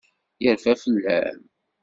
Yerfa fell-am.